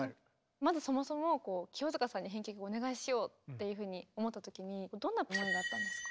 まずそもそも清塚さんに編曲お願いしようっていうふうに思ったときにどんな思いがあったんですか？